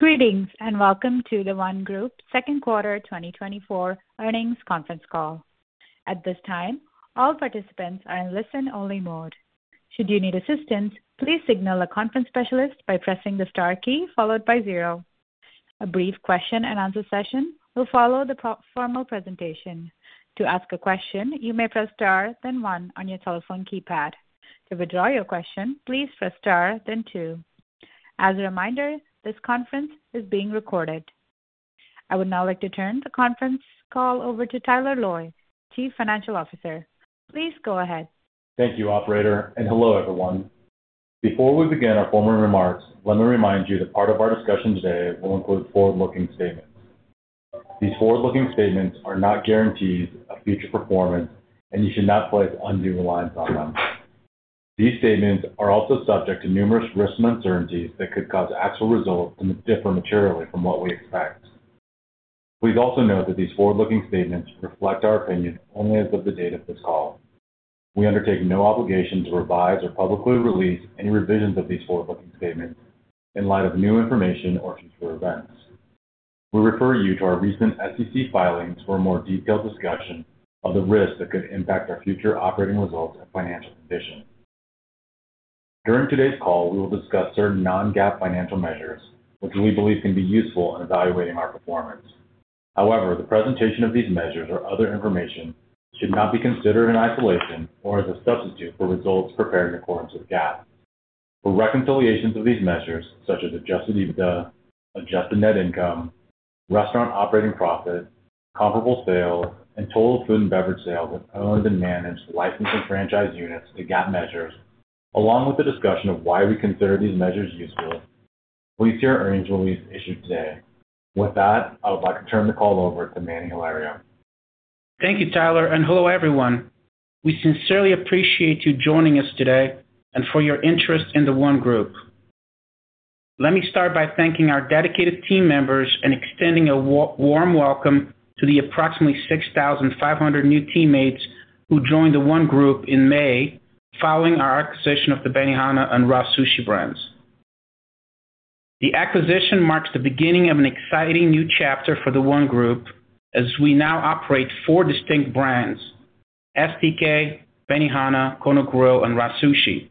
Greetings, and welcome to The ONE Group second quarter 2024 earnings conference call. At this time, all participants are in listen-only mode. Should you need assistance, please signal a conference specialist by pressing the star key followed by zero. A brief question-and-answer session will follow the formal presentation. To ask a question, you may press star, then one on your telephone keypad. To withdraw your question, please press star, then two. As a reminder, this conference is being recorded. I would now like to turn the conference call over to Tyler Loy, Chief Financial Officer. Please go ahead. Thank you, operator, and hello, everyone. Before we begin our formal remarks, let me remind you that part of our discussion today will include forward-looking statements. These forward-looking statements are not guarantees of future performance, and you should not place undue reliance on them. These statements are also subject to numerous risks and uncertainties that could cause actual results to differ materially from what we expect. Please also note that these forward-looking statements reflect our opinion only as of the date of this call. We undertake no obligation to revise or publicly release any revisions of these forward-looking statements in light of new information or future events. We refer you to our recent SEC filings for a more detailed discussion of the risks that could impact our future operating results and financial condition. During today's call, we will discuss certain non-GAAP financial measures, which we believe can be useful in evaluating our performance. However, the presentation of these measures or other information should not be considered in isolation or as a substitute for results prepared in accordance with GAAP. For reconciliations of these measures, such as Adjusted EBITDA, Adjusted Net Income, Restaurant Operating profit, Comparable Sales, and Total Food and Beverage Sales with owned and managed licensed and franchised units to GAAP measures, along with the discussion of why we consider these measures useful, please see our earnings release issued today. With that, I would like to turn the call over to Manny Hilario. Thank you, Tyler, and hello, everyone. We sincerely appreciate you joining us today and for your interest in The ONE Group. Let me start by thanking our dedicated team members and extending a warm welcome to the approximately 6,500 new teammates who joined The ONE Group in May, following our acquisition of the Benihana and RA Sushi brands. The acquisition marks the beginning of an exciting new chapter for The ONE Group as we now operate four distinct brands, STK, Benihana, Kona Grill, and RA Sushi.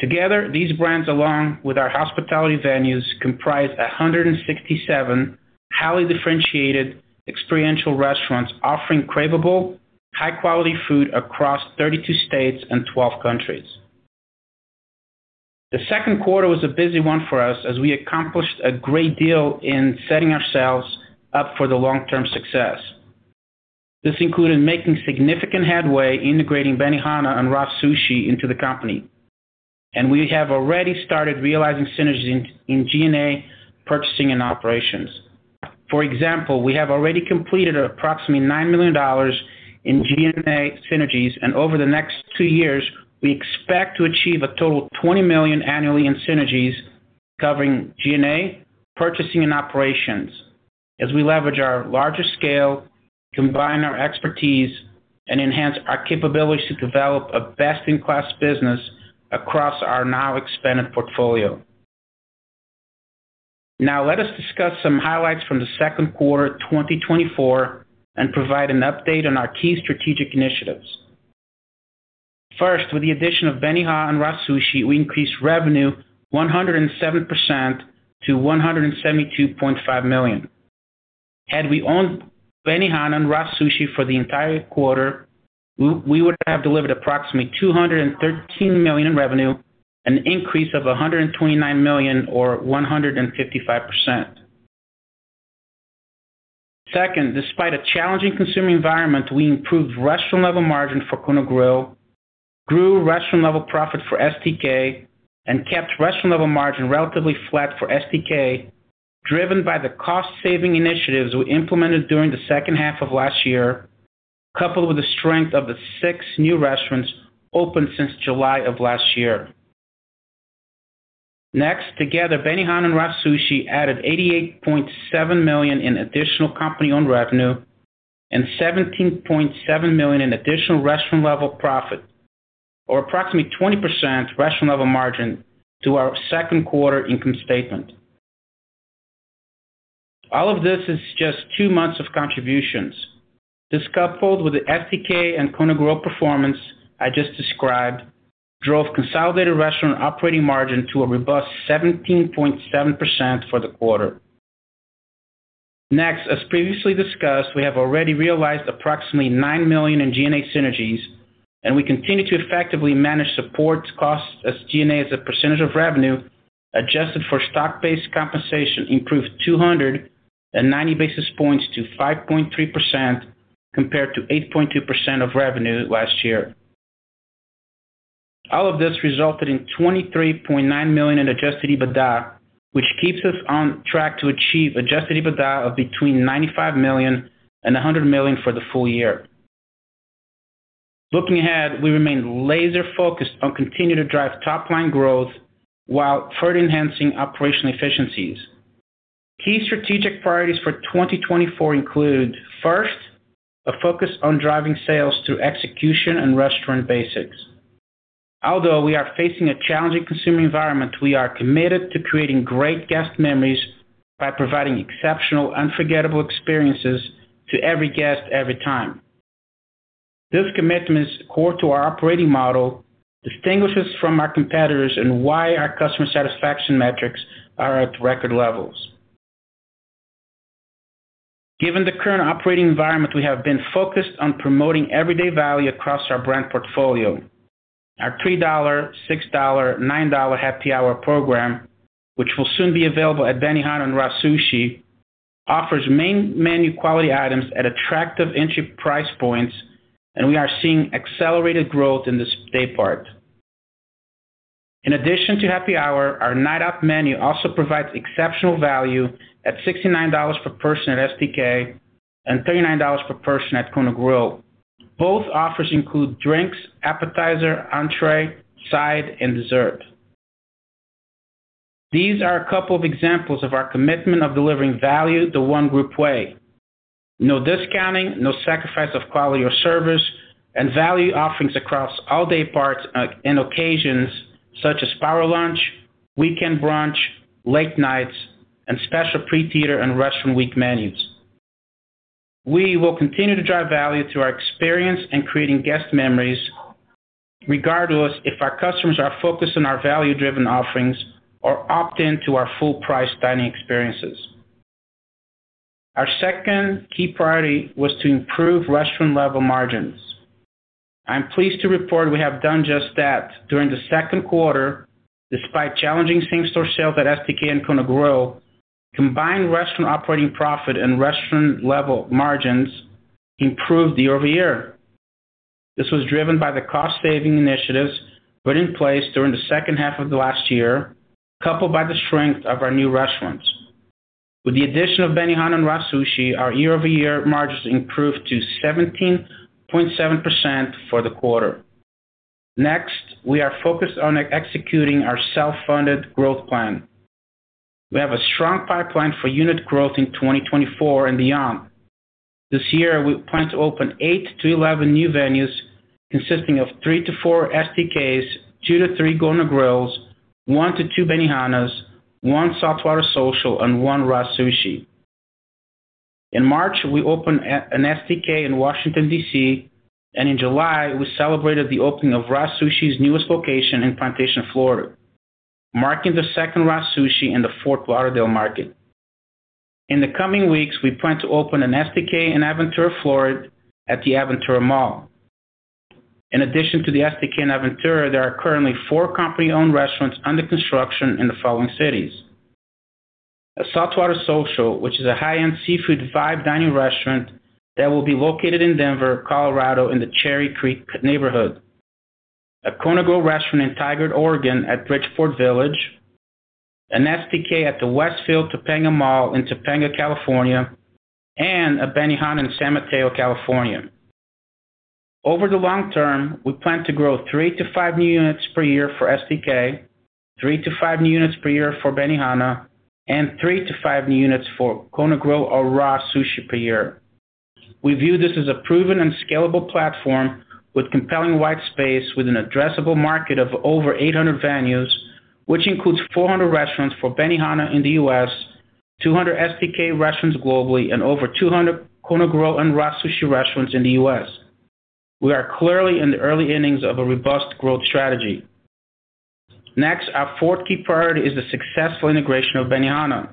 Together, these brands, along with our hospitality venues, comprise 167 highly differentiated experiential restaurants offering craveable, high-quality food across 32 states and 12 countries. The second quarter was a busy one for us as we accomplished a great deal in setting ourselves up for the long-term success. This included making significant headway integrating Benihana and RA Sushi into the company, and we have already started realizing synergies in G&A, purchasing, and operations. For example, we have already completed approximately $9 million in G&A synergies, and over the next two years, we expect to achieve a total of $20 million annually in synergies covering G&A, purchasing, and operations as we leverage our larger scale, combine our expertise, and enhance our capabilities to develop a best-in-class business across our now expanded portfolio. Now, let us discuss some highlights from the second quarter of 2024 and provide an update on our key strategic initiatives. First, with the addition of Benihana and RA Sushi, we increased revenue 107% to $172.5 million. Had we owned Benihana and RA Sushi for the entire quarter, we would have delivered approximately $213 million in revenue, an increase of $129 million or 155%. Second, despite a challenging consumer environment, we improved restaurant level margin for Kona Grill, grew restaurant level profit for STK, and kept restaurant level margin relatively flat for STK, driven by the cost-saving initiatives we implemented during the second half of last year, coupled with the strength of the 6 new restaurants opened since July of last year. Next, together, Benihana and RA Sushi added $88.7 million in additional company-owned revenue and $17.7 million in additional restaurant level profit, or approximately 20% restaurant level margin to our second quarter income statement. All of this is just two months of contributions. This, coupled with the STK and Kona Grill performance I just described, drove consolidated restaurant operating margin to a robust 17.7% for the quarter. Next, as previously discussed, we have already realized approximately $9 million in G&A synergies, and we continue to effectively manage support costs as G&A as a percentage of revenue, adjusted for stock-based compensation, improved 290 basis points to 5.3% compared to 8.2% of revenue last year. All of this resulted in $23.9 million in adjusted EBITDA, which keeps us on track to achieve adjusted EBITDA of between $95 million and $100 million for the full year. Looking ahead, we remain laser-focused on continuing to drive top-line growth while further enhancing operational efficiencies. Key strategic priorities for 2024 include, first, a focus on driving sales through execution and restaurant basics. Although we are facing a challenging consumer environment, we are committed to creating great guest memories by providing exceptional, unforgettable experiences to every guest, every time. This commitment is core to our operating model, distinguishes from our competitors, and why our customer satisfaction metrics are at record levels. Given the current operating environment, we have been focused on promoting everyday value across our brand portfolio. Our $3, $6, $9 happy hour program, which will soon be available at Benihana and RA Sushi, offers main menu quality items at attractive entry price points, and we are seeing accelerated growth in this daypart. In addition to happy hour, our Night Out menu also provides exceptional value at $69 per person at STK and $39 per person at Kona Grill. Both offers include drinks, appetizer, entree, side, and dessert. These are a couple of examples of our commitment of delivering value the ONE Group way. No discounting, no sacrifice of quality or service, and value offerings across all dayparts, and occasions such as Power Lunch, Weekend Brunch, Late Nights, and special pre-theater and Restaurant Week menus. We will continue to drive value through our experience in creating guest memories, regardless if our customers are focused on our value-driven offerings or opt in to our full-price dining experiences. Our second key priority was to improve restaurant level margins. I'm pleased to report we have done just that. During the second quarter, despite challenging same-store sales at STK and Kona Grill, combined restaurant operating profit and restaurant level margins improved year over year. This was driven by the cost-saving initiatives put in place during the second half of last year, coupled by the strength of our new restaurants. With the addition of Benihana and RA Sushi, our year-over-year margins improved to 17.7% for the quarter. Next, we are focused on executing our self-funded growth plan. We have a strong pipeline for unit growth in 2024 and beyond. This year, we plan to open eight to 11 new venues, consisting of three to four STKs, two to three Kona Grills, one to two Benihanas, one Saltwater Social, and one RA Sushi. In March, we opened an STK in Washington, D.C., and in July, we celebrated the opening of RA Sushi's newest location in Plantation, Florida, marking the second RA Sushi in the Fort Lauderdale market. In the coming weeks, we plan to open an STK in Aventura, Florida, at the Aventura Mall. In addition to the STK in Aventura, there are currently four company-owned restaurants under construction in the following cities: a Saltwater Social, which is a high-end seafood Vibe Dining restaurant that will be located in Denver, Colorado, in the Cherry Creek neighborhood. A Kona Grill restaurant in Tigard, Oregon, at Bridgeport Village. An STK at the Westfield Topanga Mall in Topanga, California, and a Benihana in San Mateo, California. Over the long term, we plan to grow three to five new units per year for STK, three to five new units per year for Benihana, and three to five new units for Kona Grill or RA Sushi per year. We view this as a proven and scalable platform with compelling white space, with an addressable market of over 800 venues, which includes 400 restaurants for Benihana in the U.S., 200 STK restaurants globally, and over 200 Kona Grill and RA Sushi restaurants in the U.S. We are clearly in the early innings of a robust growth strategy. Next, our fourth key priority is the successful integration of Benihana.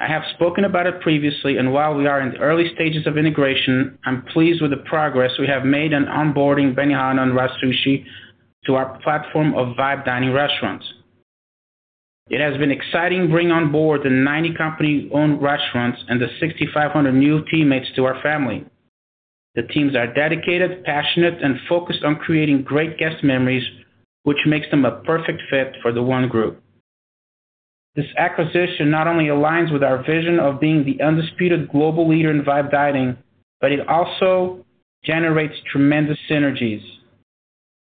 I have spoken about it previously, and while we are in the early stages of integration, I'm pleased with the progress we have made in onboarding Benihana and RA Sushi to our platform of Vibe Dining restaurants. It has been exciting bringing on board the 90 company-owned restaurants and the 6,500 new teammates to our family. The teams are dedicated, passionate, and focused on creating great guest memories, which makes them a perfect fit for the ONE Group. This acquisition not only aligns with our vision of being the undisputed global leader in Vibe Dining, but it also generates tremendous synergies.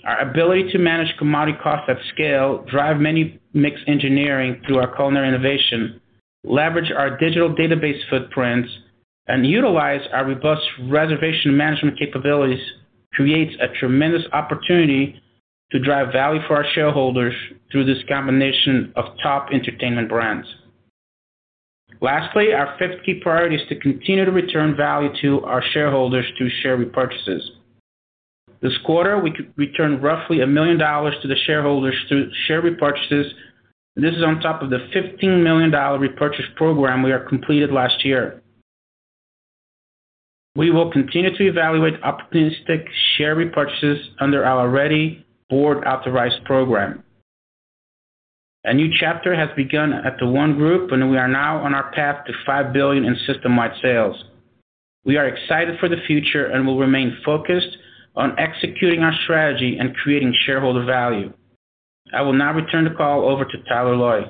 Our ability to manage commodity costs at scale, drive many menu mix engineering through our culinary innovation, leverage our digital database footprints, and utilize our robust reservation management capabilities, creates a tremendous opportunity to drive value for our shareholders through this combination of top entertainment brands. Lastly, our fifth key priority is to continue to return value to our shareholders through share repurchases. This quarter, we returned roughly $1 million to the shareholders through share repurchases. This is on top of the $15 million repurchase program we completed last year. We will continue to evaluate opportunistic share repurchases under our already board-authorized program. A new chapter has begun at The ONE Group, and we are now on our path to $5 billion in System-Wide Sales. We are excited for the future and will remain focused on executing our strategy and creating shareholder value. I will now return the call over to Tyler Loy.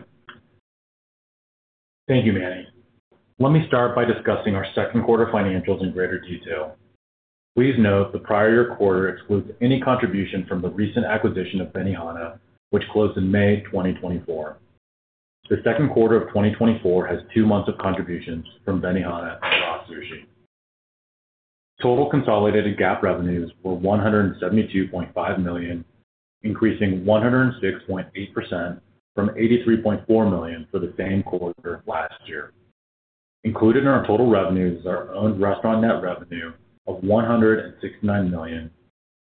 Thank you, Manny. Let me start by discussing our second quarter financials in greater detail. Please note, the prior year quarter excludes any contribution from the recent acquisition of Benihana, which closed in May 2024. The second quarter of 2024 has two months of contributions from Benihana and RA Sushi. Total consolidated GAAP revenues were $172.5 million, increasing 106.8% from $83.4 million for the same quarter last year. Included in our total revenues is our owned restaurant net revenue of $169 million,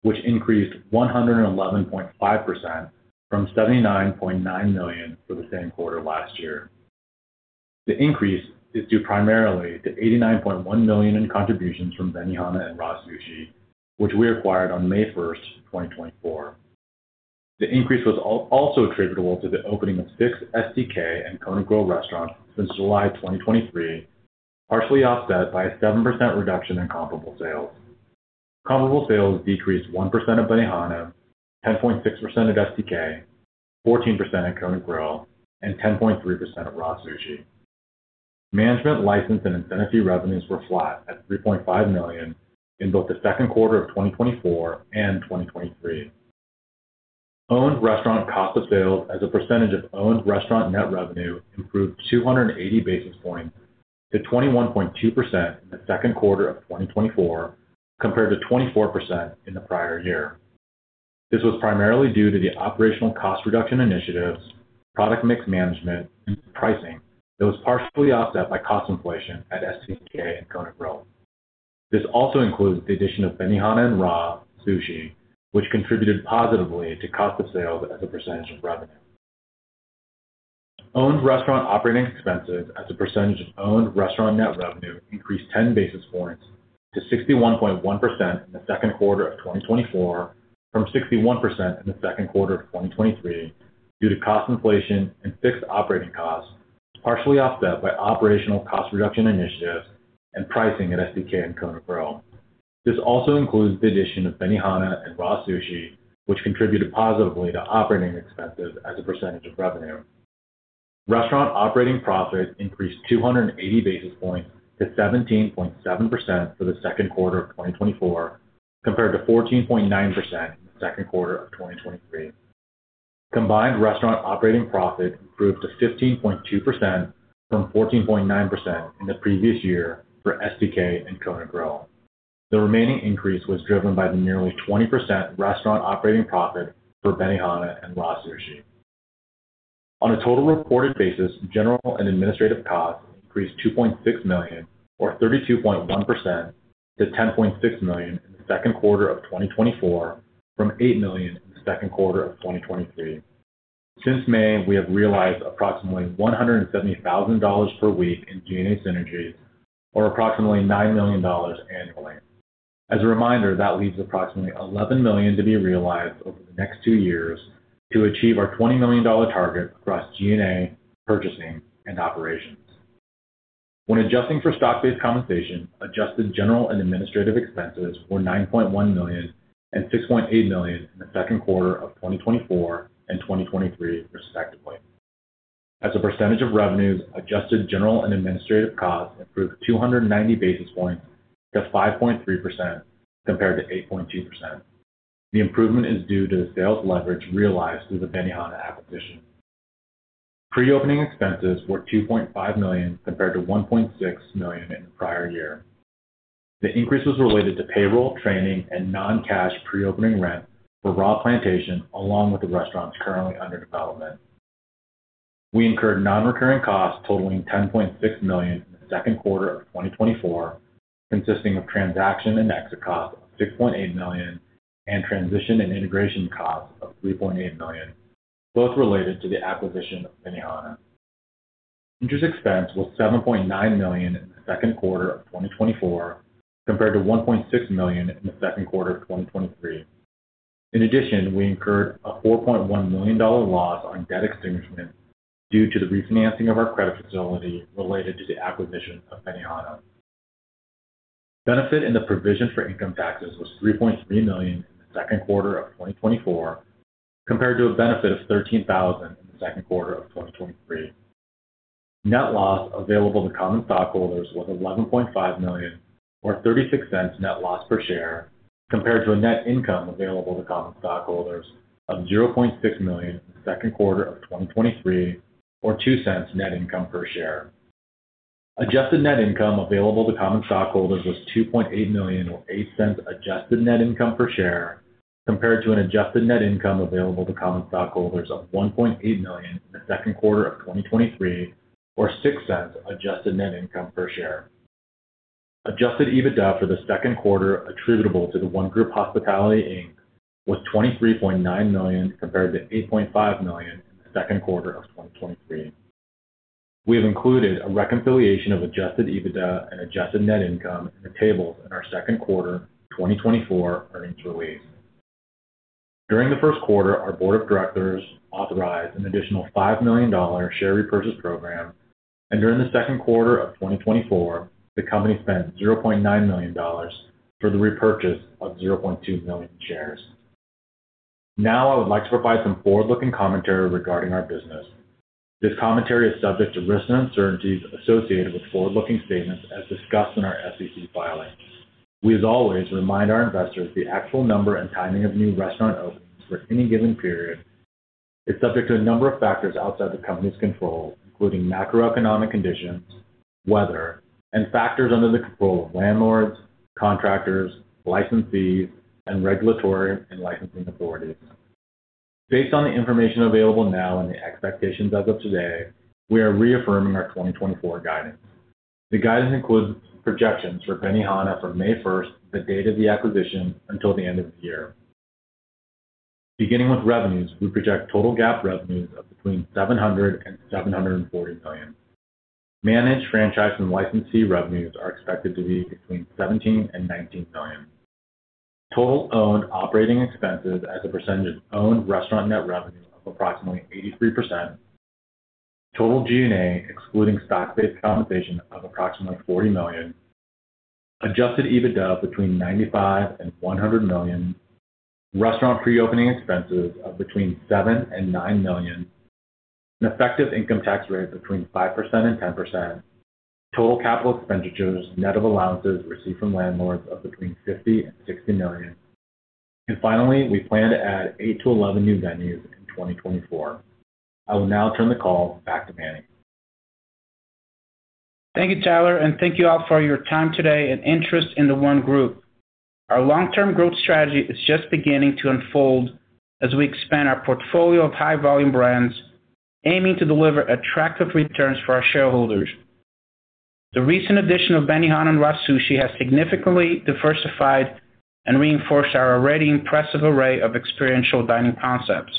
which increased 111.5% from $79.9 million for the same quarter last year. The increase is due primarily to $89.1 million in contributions from Benihana and RA Sushi, which we acquired on May 1, 2024. The increase was also attributable to the opening of 6 STK and Kona Grill restaurants since July 2023, partially offset by a 7% reduction in comparable sales. Comparable sales decreased 1% at Benihana, 10.6% at STK, 14% at Kona Grill, and 10.3% at RA Sushi. Management license and incentive fee revenues were flat at $3.5 million in both the second quarter of 2024 and 2023. Owned restaurant cost of sales as a percentage of owned restaurant net revenue improved 280 basis points to 21.2% in the second quarter of 2024, compared to 24% in the prior year. This was primarily due to the operational cost reduction initiatives, product mix management, and pricing that was partially offset by cost inflation at STK and Kona Grill. This also includes the addition of Benihana and RA Sushi, which contributed positively to cost of sales as a percentage of revenue. Owned restaurant operating expenses as a percentage of owned restaurant net revenue increased 10 basis points to 61.1% in the second quarter of 2024 from 61% in the second quarter of 2023, due to cost inflation and fixed operating costs, partially offset by operational cost reduction initiatives and pricing at STK and Kona Grill. This also includes the addition of Benihana and RA Sushi, which contributed positively to operating expenses as a percentage of revenue. Restaurant operating profit increased 280 basis points to 17.7% for the second quarter of 2024, compared to 14.9% in the second quarter of 2023. Combined restaurant operating profit improved to 15.2% from 14.9% in the previous year for STK and Kona Grill. The remaining increase was driven by the nearly 20% restaurant operating profit for Benihana and RA Sushi. On a total reported basis, general and administrative costs increased $2.6 million, or 32.1% to $10.6 million in the second quarter of 2024 from $8 million in the second quarter of 2023. Since May, we have realized approximately $170,000 per week in G&A synergies, or approximately $9 million annually. As a reminder, that leaves approximately $11 million to be realized over the next two years to achieve our $20 million target across G&A, purchasing, and operations. When adjusting for stock-based compensation, Adjusted General and Administrative expenses were $9.1 million and $6.8 million in the second quarter of 2024 and 2023, respectively. As a percentage of revenues, adjusted General and Administrative costs improved 290 basis points to 5.3% compared to 8.2%. The improvement is due to the sales leverage realized through the Benihana acquisition. Pre-opening expenses were $2.5 million compared to $1.6 million in the prior year. The increase was related to payroll, training, and non-cash pre-opening rent for RA Plantation, along with the restaurants currently under development. We incurred non-recurring costs totaling $10.6 million in the second quarter of 2024, consisting of transaction and exit costs of $6.8 million, and transition and integration costs of $3.8 million, both related to the acquisition of Benihana. Interest expense was $7.9 million in the second quarter of 2024, compared to $1.6 million in the second quarter of 2023. In addition, we incurred a $4.1 million loss on debt extinguishment due to the refinancing of our credit facility related to the acquisition of Benihana. Benefit in the provision for income taxes was $3.3 million in the second quarter of 2024, compared to a benefit of $13,000 in the second quarter of 2023. Net loss available to common stockholders was $11.5 million, or $0.36 net loss per share, compared to a net income available to common stockholders of $0.6 million in the second quarter of 2023, or $0.02 net income per share. Adjusted net income available to common stockholders was $2.8 million, or $0.08 adjusted net income per share, compared to an adjusted net income available to common stockholders of $1.8 million in the second quarter of 2023, or $0.06 adjusted net income per share. Adjusted EBITDA for the second quarter attributable to The ONE Group Hospitality Inc. was $23.9 million, compared to $8.5 million in the second quarter of 2023. We have included a reconciliation of adjusted EBITDA and adjusted net income in the tables in our second quarter 2024 earnings release. During the first quarter, our board of directors authorized an additional $5 million share repurchase program, and during the second quarter of 2024, the company spent $0.9 million for the repurchase of $0.2 million shares.... Now I would like to provide some forward-looking commentary regarding our business. This commentary is subject to risks and uncertainties associated with forward-looking statements as discussed in our SEC filings. We, as always, remind our investors the actual number and timing of new restaurant openings for any given period is subject to a number of factors outside the company's control, including macroeconomic conditions, weather, and factors under the control of landlords, contractors, licensees, and regulatory and licensing authorities. Based on the information available now and the expectations as of today, we are reaffirming our 2024 guidance. The guidance includes projections for Benihana from May first, the date of the acquisition, until the end of the year. Beginning with revenues, we project total GAAP revenues of between $700 million and $740 million. Managed, franchised and licensee revenues are expected to be between $17 million and $19 million. Total owned operating expenses as a percentage of owned restaurant net revenue of approximately 83%. Total G&A, excluding stock-based compensation, of approximately $40 million. Adjusted EBITDA between $95 million and $100 million. Restaurant pre-opening expenses of between $7 million and $9 million. An effective income tax rate of between 5% and 10%. Total capital expenditures, net of allowances received from landlords of between $50 million and $60 million. And finally, we plan to add eight to 11 new venues in 2024. I will now turn the call back to Manny. Thank you, Tyler, and thank you all for your time today and interest in The ONE Group. Our long-term growth strategy is just beginning to unfold as we expand our portfolio of high-volume brands, aiming to deliver attractive returns for our shareholders. The recent addition of Benihana and RA Sushi has significantly diversified and reinforced our already impressive array of experiential dining concepts.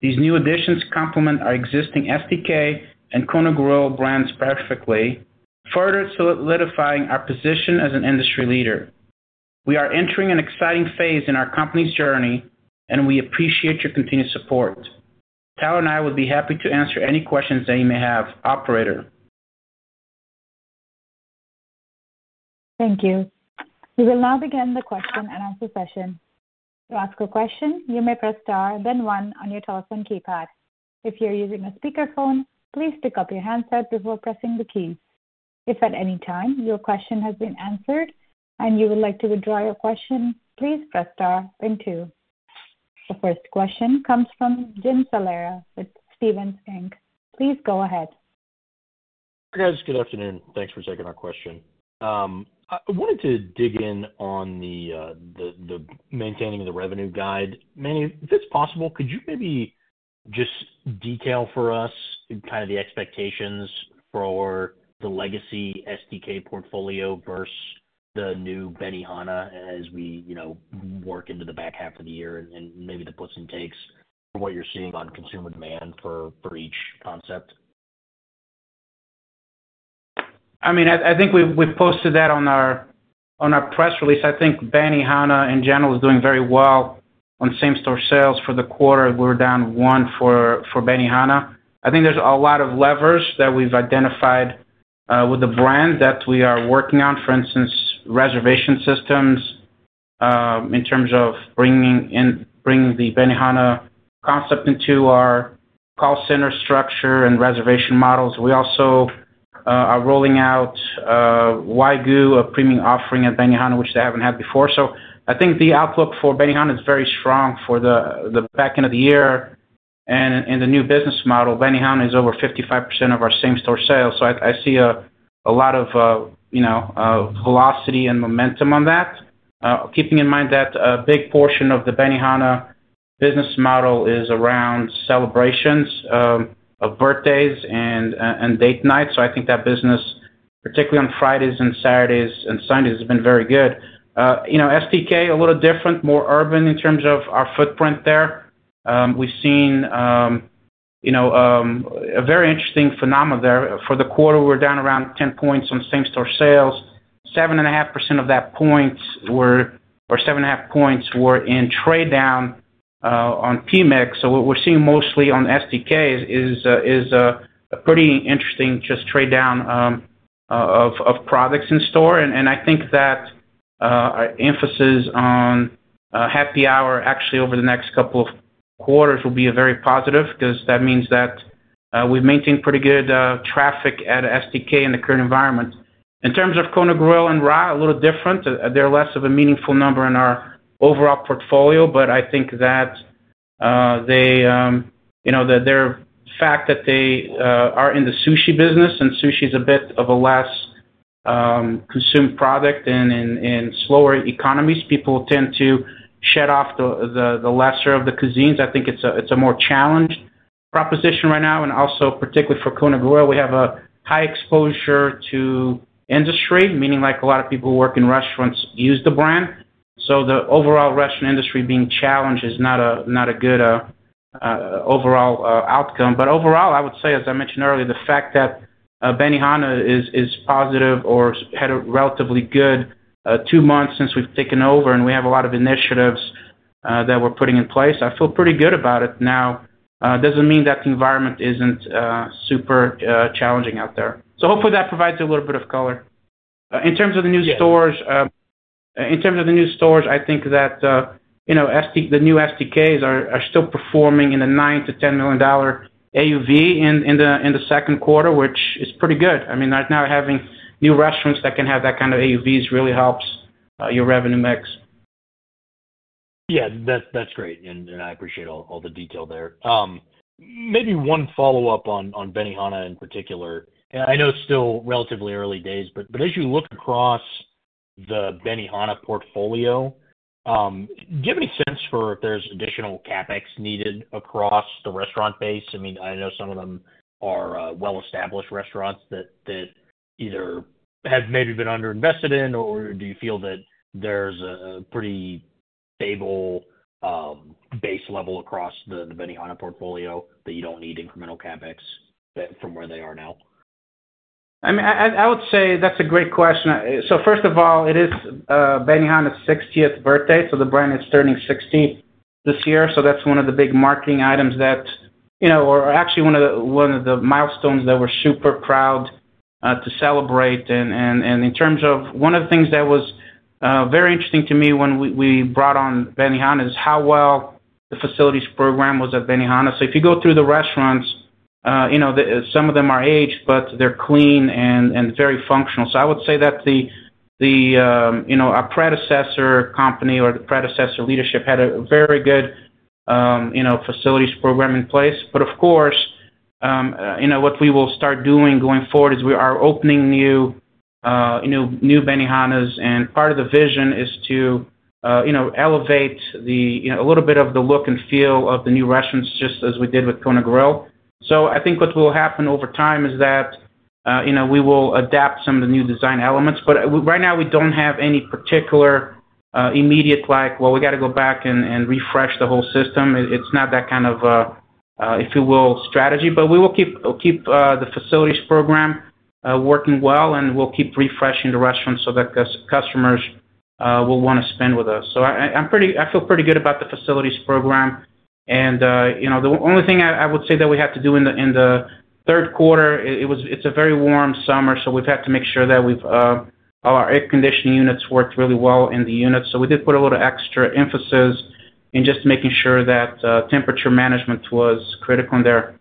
These new additions complement our existing STK and Kona Grill brands perfectly, further solidifying our position as an industry leader. We are entering an exciting phase in our company's journey, and we appreciate your continued support. Tyler and I will be happy to answer any questions that you may have. Operator? Thank you. We will now begin the question and answer session. To ask a question, you may press star, then one on your telephone keypad. If you're using a speakerphone, please pick up your handset before pressing the keys. If at any time your question has been answered and you would like to withdraw your question, please press star then two. The first question comes from Jim Salera with Stephens Inc. Please go ahead. Guys, good afternoon. Thanks for taking our question. I wanted to dig in on the maintaining of the revenue guide. Manny, if it's possible, could you maybe just detail for us kind of the expectations for the legacy STK portfolio versus the new Benihana as we, you know, work into the back half of the year and maybe the puts and takes of what you're seeing on consumer demand for each concept? I mean, I think we posted that on our press release. I think Benihana in general is doing very well on same-store sales for the quarter. We're down one for Benihana. I think there's a lot of levers that we've identified with the brand that we are working on, for instance, reservation systems, in terms of bringing the Benihana concept into our call center structure and reservation models. We also are rolling out Wagyu, a premium offering at Benihana, which they haven't had before. So I think the outlook for Benihana is very strong for the back end of the year. And in the new business model, Benihana is over 55% of our same-store sales, so I see a lot of, you know, velocity and momentum on that. Keeping in mind that a big portion of the Benihana business model is around celebrations of birthdays and date nights. So I think that business, particularly on Fridays and Saturdays and Sundays, has been very good. You know, STK, a little different, more urban in terms of our footprint there. We've seen, you know, a very interesting phenomena there. For the quarter, we're down around 10 points on same-store sales. 7.5% of that points were, or 7.5 points were in trade down on P-mix. So what we're seeing mostly on STK is a pretty interesting just trade down of products in store. I think that our emphasis on happy hour actually over the next couple of quarters will be a very positive, because that means that we've maintained pretty good traffic at STK in the current environment. In terms of Kona Grill and RA, a little different. They're less of a meaningful number in our overall portfolio, but I think that they, you know, their fact that they are in the sushi business and sushi is a bit of a less consumed product in slower economies, people tend to shed off the lesser of the cuisines. I think it's a more challenged proposition right now, and also particularly for Kona Grill, we have a high exposure to industry, meaning like a lot of people who work in restaurants use the brand. So the overall restaurant industry being challenged is not a, not a good, overall, outcome. But overall, I would say, as I mentioned earlier, the fact that, Benihana is positive or had a relatively good, two months since we've taken over, and we have a lot of initiatives, that we're putting in place. I feel pretty good about it now. Doesn't mean that the environment isn't, super, challenging out there. So hopefully that provides a little bit of color.... In terms of the new stores, I think that, you know, STK, the new STKs are still performing in the $9 million-$10 million AUV in the second quarter, which is pretty good. I mean, right now, having new restaurants that can have that kind of AUVs really helps your revenue mix. Yeah, that's, that's great, and I appreciate all, all the detail there. Maybe one follow-up on, on Benihana in particular. I know it's still relatively early days, but, but as you look across the Benihana portfolio, do you have any sense for if there's additional CapEx needed across the restaurant base? I mean, I know some of them are, well-established restaurants that, that either have maybe been underinvested in, or do you feel that there's a, a pretty stable, base level across the Benihana portfolio that you don't need incremental CapEx from where they are now? I mean, I would say that's a great question. So first of all, it is Benihana's 60th birthday, so the brand is turning 60 this year. So that's one of the big marketing items that, you know, or actually one of the, one of the milestones that we're super proud to celebrate. And in terms of, one of the things that was very interesting to me when we brought on Benihana, is how well the facilities program was at Benihana. So if you go through the restaurants, you know, some of them are aged, but they're clean and very functional. So I would say that the, you know, our predecessor company or the predecessor leadership had a very good, you know, facilities program in place. But of course, you know, what we will start doing going forward is we are opening new Benihanas, and part of the vision is to, you know, elevate the, you know, a little bit of the look and feel of the new restaurants, just as we did with Kona Grill. So I think what will happen over time is that, you know, we will adapt some of the new design elements, but right now, we don't have any particular immediate, like, well, we got to go back and refresh the whole system. It's not that kind of, if you will, strategy. But we will keep the facilities program working well, and we'll keep refreshing the restaurant so that customers will want to spend with us. So, I'm pretty. I feel pretty good about the facilities program. And, you know, the only thing I would say that we have to do in the third quarter, it's a very warm summer, so we've had to make sure that we've all our air conditioning units worked really well in the units. So we did put a little extra emphasis in just making sure that temperature management was critical there.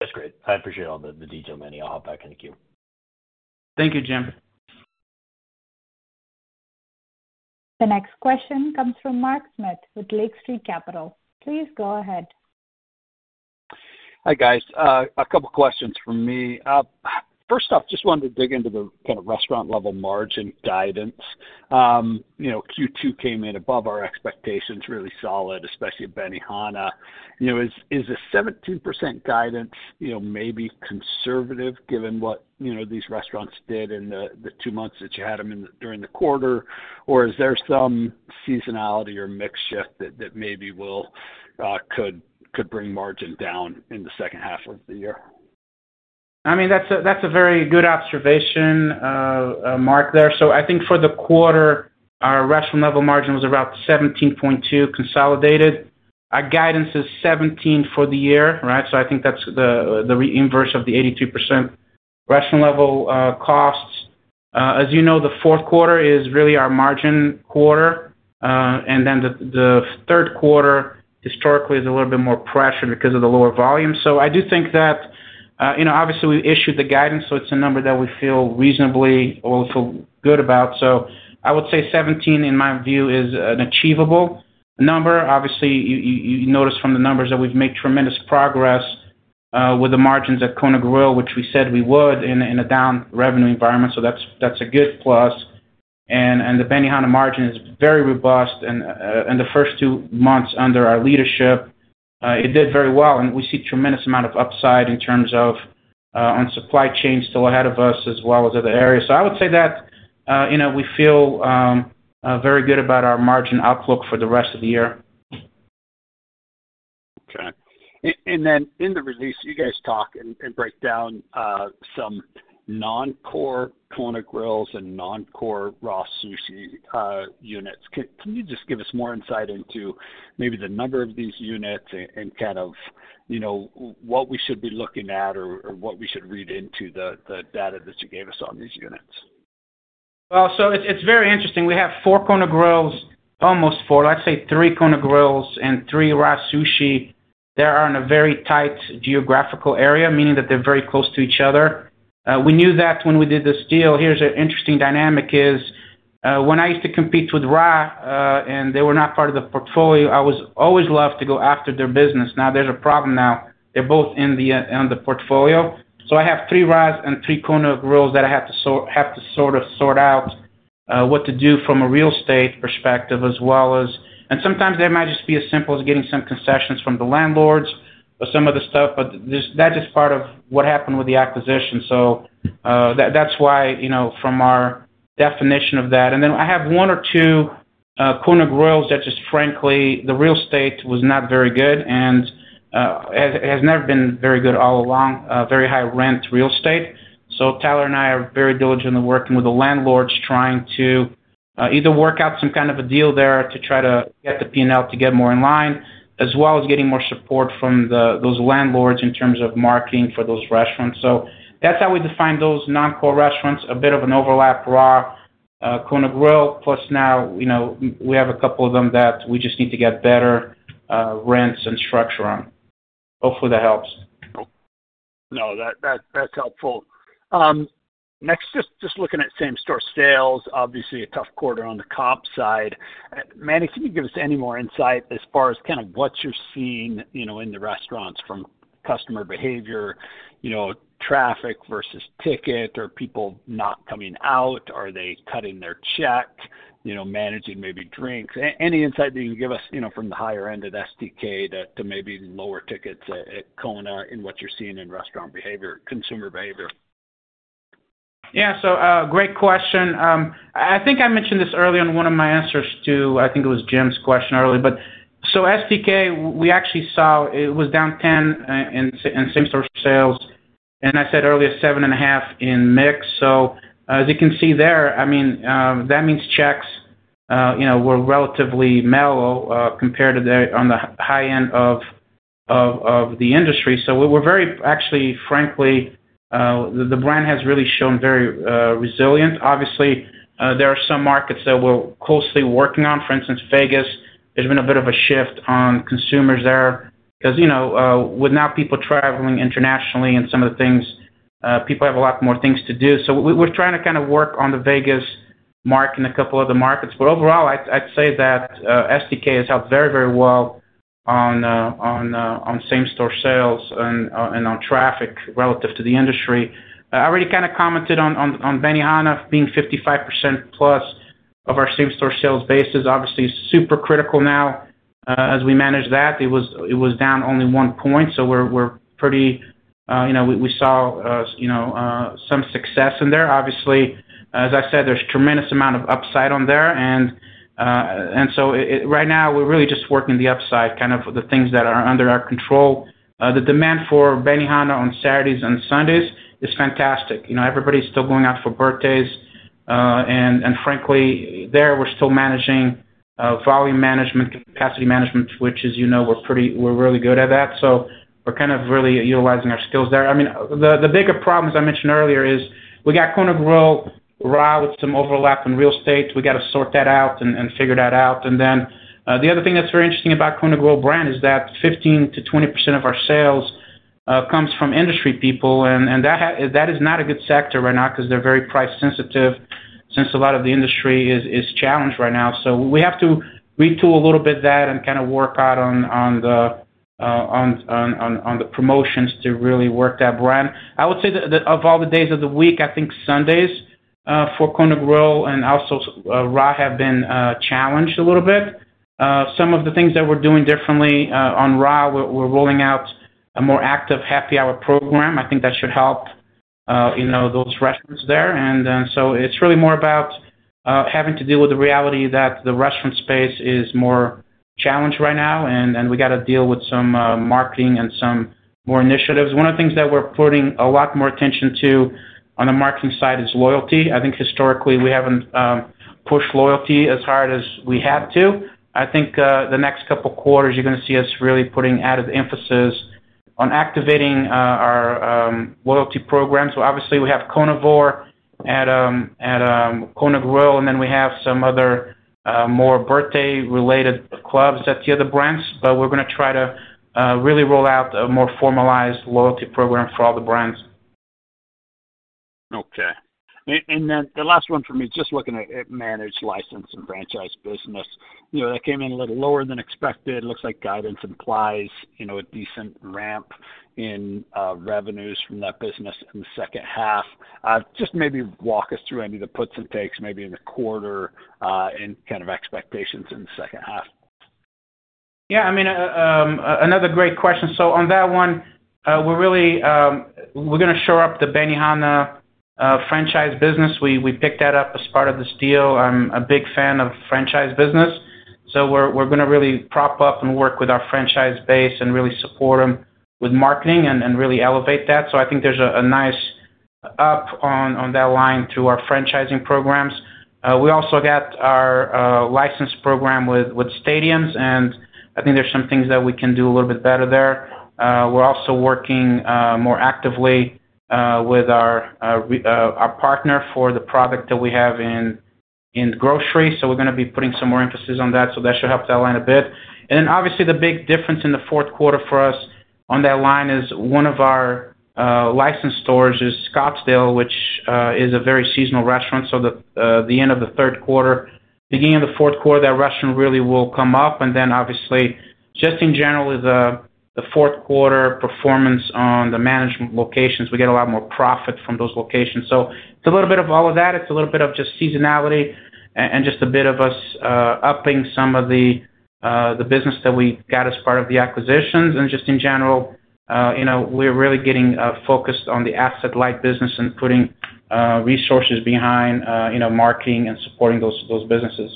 That's great. I appreciate all the detail, Manny. I'll hop back in the queue. Thank you, Jim. The next question comes from Mark Smith with Lake Street Capital Markets. Please go ahead. Hi, guys. A couple questions from me. First off, just wanted to dig into the kind of restaurant-level margin guidance. You know, Q2 came in above our expectations, really solid, especially at Benihana. You know, is the 17% guidance, you know, maybe conservative, given what, you know, these restaurants did in the two months that you had them in during the quarter? Or is there some seasonality or mix shift that maybe will could bring margin down in the second half of the year? I mean, that's a very good observation, Mark, there. So I think for the quarter, our restaurant-level margin was about 17.2 consolidated. Our guidance is 17 for the year, right? So I think that's the inverse of the 82% restaurant-level costs. As you know, the fourth quarter is really our margin quarter, and then the third quarter, historically, is a little bit more pressured because of the lower volume. So I do think that, you know, obviously, we issued the guidance, so it's a number that we feel reasonably or feel good about. So I would say 17, in my view, is an achievable number. Obviously, you notice from the numbers that we've made tremendous progress with the margins at Kona Grill, which we said we would in a down revenue environment. So that's a good plus. And the Benihana margin is very robust, and in the first two months under our leadership, it did very well, and we see tremendous amount of upside in terms of on supply chain still ahead of us as well as other areas. So I would say that, you know, we feel very good about our margin outlook for the rest of the year. Okay. And then in the release, you guys talk and break down some non-core Kona Grills and non-core RA Sushi units. Can you just give us more insight into maybe the number of these units and kind of, you know, what we should be looking at or what we should read into the data that you gave us on these units? Well, so it's, it's very interesting. We have four Kona Grills, almost four. Let's say three Kona Grills and three RA Sushi. They are in a very tight geographical area, meaning that they're very close to each other. We knew that when we did this deal. Here's an interesting dynamic is, when I used to compete with RA, and they were not part of the portfolio, I always loved to go after their business. Now, there's a problem now. They're both in the portfolio. So I have three RA's and three Kona Grills that I have to sort of sort out what to do from a real estate perspective, as well as and sometimes they might just be as simple as getting some concessions from the landlords or some of the stuff, but this, that's just part of what happened with the acquisition. So, that, that's why, you know, from our definition of that. And then I have one or two Kona Grills that just frankly, the real estate was not very good and has never been very good all along, a very high rent real estate. So Tyler and I are very diligently working with the landlords, trying to-... either work out some kind of a deal there to try to get the P&L to get more in line, as well as getting more support from the, those landlords in terms of marketing for those restaurants. So that's how we define those non-core restaurants, a bit of an overlap, RA, Kona Grill, plus now, you know, we have a couple of them that we just need to get better, rents and structure on. Hopefully, that helps. No, that's helpful. Next, just looking at same-store sales, obviously a tough quarter on the comp side. Manny, can you give us any more insight as far as kind of what you're seeing, you know, in the restaurants from customer behavior, you know, traffic versus ticket, or people not coming out? Are they cutting their check, you know, managing maybe drinks? Any insight that you can give us, you know, from the higher end of STK to maybe lower tickets at Kona and what you're seeing in restaurant behavior, consumer behavior? Yeah, so, great question. I think I mentioned this earlier in one of my answers to, I think it was Jim's question earlier. But so STK, we actually saw it was down 10 in same-store sales, and I said earlier, 7.5 in mix. So as you can see there, I mean, that means checks, you know, were relatively mellow compared to the high end of the industry. So we're very actually, frankly, the brand has really shown very resilience. Obviously, there are some markets that we're closely working on. For instance, Vegas, there's been a bit of a shift on consumers there because, you know, with now people traveling internationally and some of the things, people have a lot more things to do. So we're trying to kind of work on the Vegas market and a couple other markets. But overall, I'd say that STK has held very, very well on same-store sales and on traffic relative to the industry. I already kind of commented on Benihana being 55% plus of our same-store sales base is obviously super critical now, as we manage that. It was down only one point, so we're pretty, you know. We saw some success in there. Obviously, as I said, there's tremendous amount of upside on there. And so it—right now we're really just working the upside, kind of the things that are under our control. The demand for Benihana on Saturdays and Sundays is fantastic. You know, everybody's still going out for birthdays. And frankly, there, we're still managing volume management, capacity management, which, as you know, we're pretty, we're really good at that, so we're kind of really utilizing our skills there. I mean, the bigger problems I mentioned earlier is we got Kona Grill, RA with some overlap in real estate. We got to sort that out and figure that out. And then, the other thing that's very interesting about Kona Grill brand is that 15%-20% of our sales comes from industry people, and that is not a good sector right now because they're very price sensitive since a lot of the industry is challenged right now. So we have to retool a little bit that and kind of work out on the promotions to really work that brand. I would say that of all the days of the week, I think Sundays for Kona Grill and also RA have been challenged a little bit. Some of the things that we're doing differently on RA, we're rolling out a more active happy hour program. I think that should help, you know, those restaurants there. And so it's really more about having to deal with the reality that the restaurant space is more challenged right now, and we got to deal with some marketing and some more initiatives. One of the things that we're putting a lot more attention to on the marketing side is loyalty. I think historically, we haven't pushed loyalty as hard as we had to. I think, the next couple of quarters, you're gonna see us really putting added emphasis on activating, our loyalty program. So obviously, we have Konavore at, at, Kona Grill, and then we have some other, more birthday-related clubs at the other brands. But we're gonna try to, really roll out a more formalized loyalty program for all the brands. Okay. And then the last one for me, just looking at managed, licensed and franchise business. You know, that came in a little lower than expected. It looks like guidance implies, you know, a decent ramp in revenues from that business in the second half. Just maybe walk us through any of the puts and takes, maybe in the quarter, and kind of expectations in the second half. Yeah, I mean, another great question. So on that one, we're really, we're gonna show up the Benihana franchise business. We picked that up as part of this deal. I'm a big fan of franchise business, so we're gonna really prop up and work with our franchise base and really support them with marketing and really elevate that. So I think there's a nice up on that line to our franchising programs. We also got our license program with stadiums, and I think there's some things that we can do a little bit better there. We're also working more actively with our partner for the product that we have in grocery, so we're gonna be putting some more emphasis on that. So that should help that line a bit. Then, obviously, the big difference in the fourth quarter for us on that line is one of our licensed stores is Scottsdale, which is a very seasonal restaurant. So, the end of the third quarter, beginning of the fourth quarter, that restaurant really will come up, and then, obviously, just in general, the fourth quarter performance on the management locations. We get a lot more profit from those locations. So it's a little bit of all of that. It's a little bit of just seasonality and just a bit of us upping some of the business that we got as part of the acquisitions. Just in general, you know, we're really getting focused on the asset-light business and putting resources behind, you know, marketing and supporting those businesses....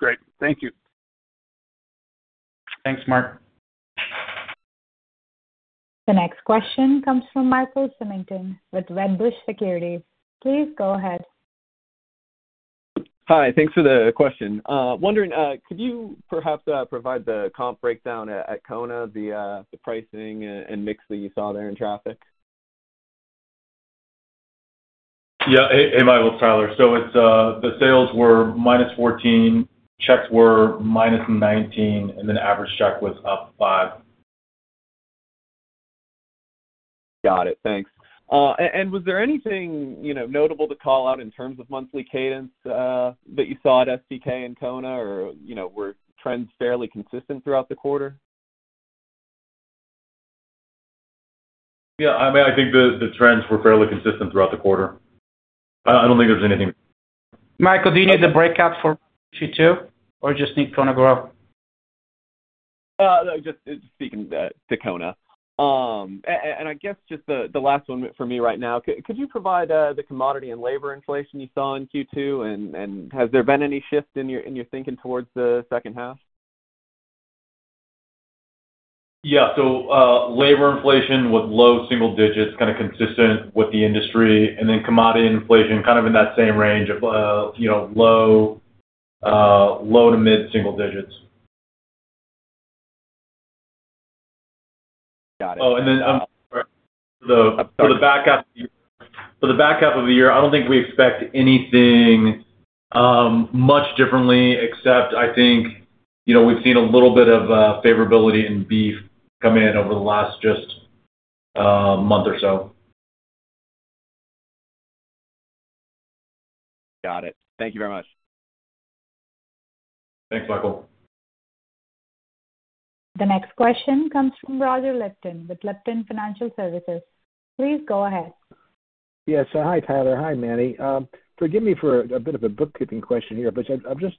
Great. Thank you. Thanks, Mark. The next question comes from Michael Symington with Wedbush Securities. Please go ahead. Hi, thanks for the question. Wondering, could you perhaps provide the comp breakdown at Kona, the pricing and mix that you saw there in traffic? Yeah. Hey, hey, Michael, it's Tyler. So it's the sales were -14, checks were -19, and then average check was up five. Got it. Thanks. And was there anything, you know, notable to call out in terms of monthly cadence that you saw at STK and Kona, or, you know, were trends fairly consistent throughout the quarter? Yeah, I mean, I think the trends were fairly consistent throughout the quarter. I don't think there's anything. Michael, do you need the breakout for Q2, or just need Kona Grill? No, just speaking to Kona. And I guess just the last one for me right now, could you provide the commodity and labor inflation you saw in Q2, and has there been any shift in your thinking towards the second half? Yeah. So, labor inflation was low single digits, kind of consistent with the industry, and then commodity inflation kind of in that same range of, you know, low to mid single digits. Got it. Oh, and then, for the back half of the year, I don't think we expect anything much differently, except I think, you know, we've seen a little bit of favorability in beef come in over the last just month or so. Got it. Thank you very much. Thanks, Michael. The next question comes from Roger Lipton with Lipton Financial Services. Please go ahead. Yes. Hi, Tyler. Hi, Manny. Forgive me for a bit of a bookkeeping question here, but I just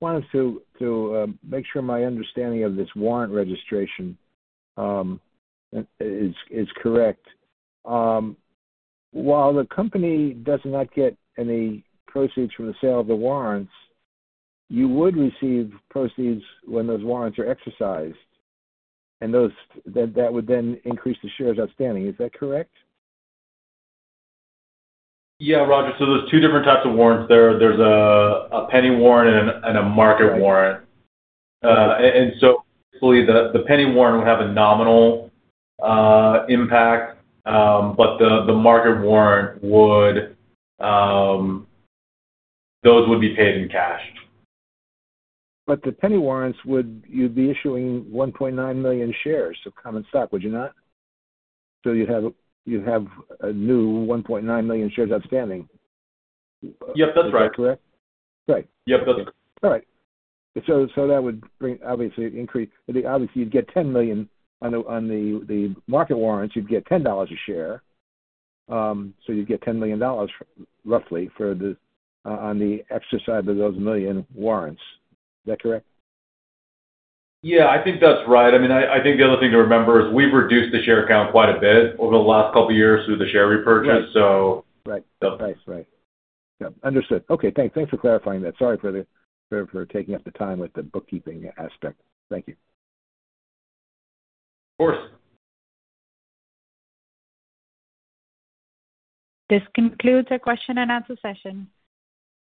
wanted to make sure my understanding of this warrant registration is correct. While the company does not get any proceeds from the sale of the warrants, you would receive proceeds when those warrants are exercised, and that would then increase the shares outstanding. Is that correct? Yeah, Roger. So there's two different types of warrants. There, there's a penny warrant and a market warrant. And so basically, the penny warrant would have a nominal impact, but the market warrant would... Those would be paid in cash. But the penny warrants, would you be issuing $1.9 million shares of common stock, would you not? So you'd have, you'd have a new $1.9 million shares outstanding. Yep, that's right. Is that correct? Right. Yep, that's right. All right. So that would bring, obviously. Obviously, you'd get $10 million on the market warrants, you'd get $10 a share. So you'd get $10 million, roughly, for the exercise of those 1 million warrants. Is that correct? Yeah, I think that's right. I mean, I think the other thing to remember is we've reduced the share count quite a bit over the last couple of years through the share repurchase, so- Right. Right. Thanks. Right. Yeah, understood. Okay, thanks. Thanks for clarifying that. Sorry for taking up the time with the bookkeeping aspect. Thank you. Of course. This concludes our question and answer session.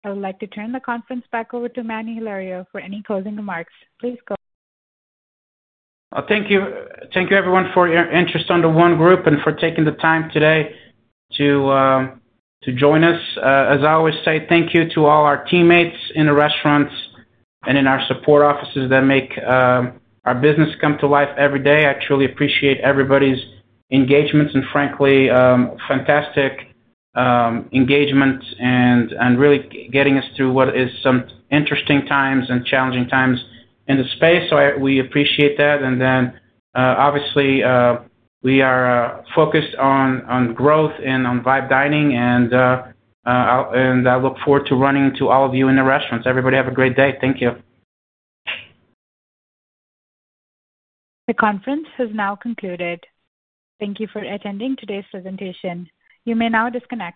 I would like to turn the conference back over to Manny Hilario for any closing remarks. Please go ahead. Thank you. Thank you, everyone, for your interest in The ONE Group and for taking the time today to join us. As I always say, thank you to all our teammates in the restaurants and in our support offices that make our business come to life every day. I truly appreciate everybody's engagement and frankly, fantastic engagement and really getting us through what is some interesting times and challenging times in the space. So we appreciate that. And then, obviously, we are focused on growth and on Vibe Dining and I look forward to running into all of you in the restaurants. Everybody, have a great day. Thank you. The conference has now concluded. Thank you for attending today's presentation. You may now disconnect.